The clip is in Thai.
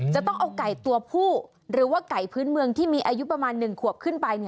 จะต้องเอาไก่ตัวผู้หรือว่าไก่พื้นเมืองที่มีอายุประมาณ๑ขวบขึ้นไป